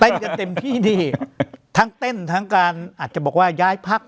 กันเต็มที่ดีทั้งเต้นทั้งการอาจจะบอกว่าย้ายพัก